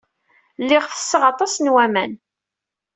Lliɣ ttesseɣ aṭas n waman.